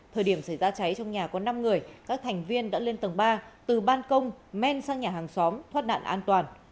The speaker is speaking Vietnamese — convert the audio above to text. thời điểm xảy ra cháy trong nhà có năm người các thành viên đã lên tầng ba từ ban công men sang nhà hàng xóm thoát nạn an toàn